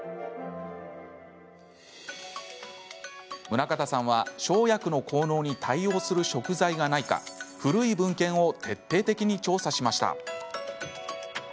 宗形さんは、生薬の効能に対応する食材がないか古い文献を徹底的に調査しました。